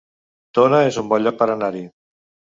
Tona es un bon lloc per anar-hi